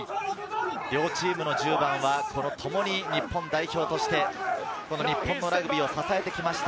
両チームの１０番はともに日本代表として、日本のラグビーを支えてきました。